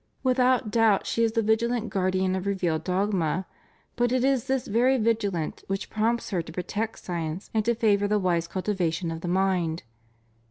Without doubt she is the vigilant guardian of revealed dogma, but it is this very vigilance which prompts her to protect science and to favor the wise cultivation of the mind.